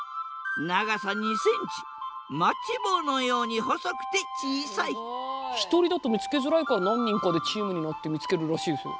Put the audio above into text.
長さ２センチマッチ棒のように細くて小さい一人だと見つけづらいから何人かでチームになって見つけるらしいですよ。